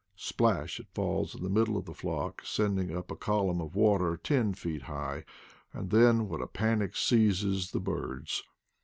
Splash it falls in the middle of the flock, sending up a column of water ten feet high, and then what a panic seizes on the birds